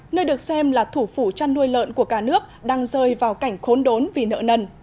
nơi được xem là thủ phủ chăn nuôi lợn của cả nước đang rơi vào cảnh khốn đốn vì nợ nần